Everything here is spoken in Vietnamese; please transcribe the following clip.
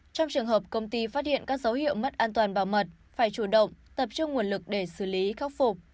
trong trường hợp công ty phát hiện các dấu hiệu mất an toàn bảo mật phải chủ động tập trung nguồn lực để xử lý khắc phục